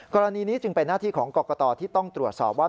กรณีนี้จึงเป็นหน้าที่ของกรกตที่ต้องตรวจสอบว่า